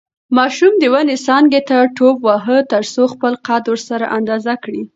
ماشوم د ونې څانګې ته ټوپ واهه ترڅو خپله قد ورسره اندازه کړي.